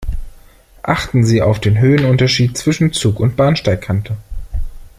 Achten Sie auf den Höhenunterschied zwischen Zug und Bahnsteigkante.